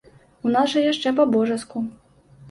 У нас жа яшчэ па-божаску.